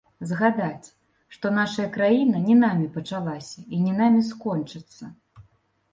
Згадаць, што нашая краіна не намі пачалася і не намі скончыцца.